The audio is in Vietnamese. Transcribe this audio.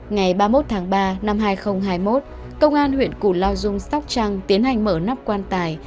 ngày ba mươi một tháng ba năm hai nghìn hai mươi một công an huyện củ lao dung sóc trăng tiến hành mở nắp quan tài